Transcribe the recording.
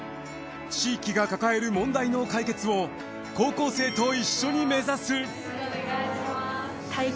地域が抱える問題の解決を高校生と一緒に目指す。